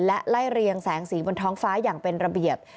และไล่เรียงแสงสีบนท้องฟ้าอย่างเป็นระเบียบ